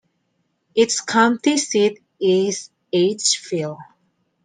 Its county seat is Edgefield.